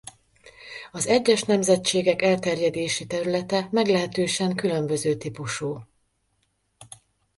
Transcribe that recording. Az egyes nemzetségek elterjedési területe meglehetősen különböző típusú.